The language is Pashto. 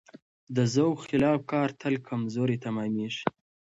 د ذوق خلاف کار تل کمزوری تمامېږي.